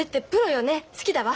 好きだわ。